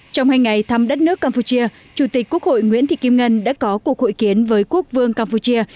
trong hai ngày thăm đất nước campuchia chủ tịch quốc hội nguyễn thị kim ngân đã có cuộc hội kiến với quốc vương campuchia